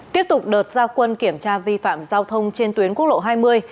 tiếp tục đợt gia quân kiểm tra vi phạm giao thông trên tuyến quốc lộ hai mươi